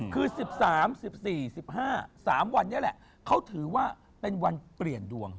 คือ๑๓๑๔๑๕๓วันนี้แหละเขาถือว่าเป็นวันเปลี่ยนดวง